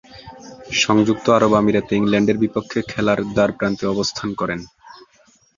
সংযুক্ত আরব আমিরাতে ইংল্যান্ডের বিপক্ষে খেলার দ্বারপ্রান্তে অবস্থান করেন।